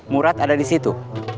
murad ada di situ